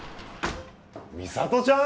美里ちゃん？